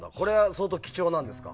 相当貴重なんですか？